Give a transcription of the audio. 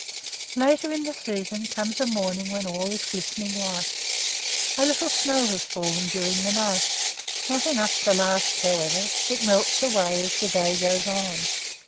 Later in the season comes a morning when all is glistening white. A little snow has fallen during the night, not enough to last, however; it melts away as the day goes on.